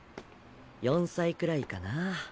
４歳くらいかな？